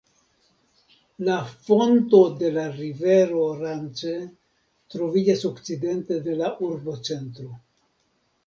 La fonto de la rivero Rance troviĝas okcidente de la urbocentro.